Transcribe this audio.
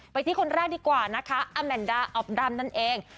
ที่คนแรกดีกว่านะคะอแมนดาออฟดำนั่นเอง